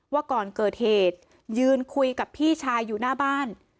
ว่าก่อนเกิดเหตุยืนคุยกับพี่ชายอยู่หน้าบ้าน